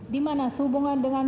dimana sehubungan dengan